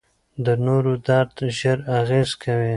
د نورو درد ژر اغېز کوي.